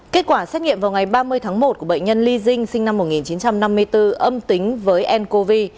kết quả xét nghiệm vào ngày ba mươi tháng một của bệnh nhân ly dinh sinh năm một nghìn chín trăm năm mươi bốn âm tính với n cov